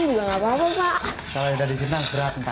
kalau udah jadi jenang berat